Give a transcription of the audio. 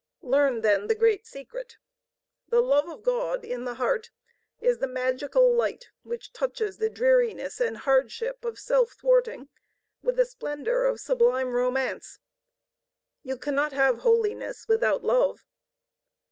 Learn, then, the great secret. The love of God in the heart is the magical light which touches the dreariness and hardship of self thwarting with a splendor of sublime Romance. You cannot have holiness without love.